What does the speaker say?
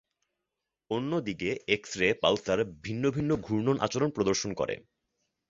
অন্যদিকে, X-ray pulsar ভিন্ন ভিন্ন ঘূর্ণন আচরণ প্রদর্শন করে।